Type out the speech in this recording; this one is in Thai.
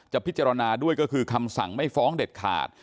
พิจารณาด้วยก็คือคำสั่งไม่ฟ้องเด็ดขาด